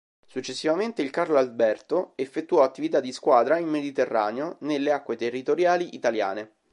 Successivamente il "Carlo Alberto" effettuò attività di squadra in Mediterraneo, nelle acque territoriali italiane.